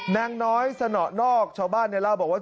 นางน้อยสนอกชาวบ้านเนี่ยเล่าบอกว่า